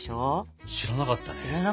知らなかったね。